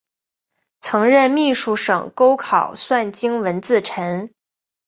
曾任秘书省钩考算经文字臣。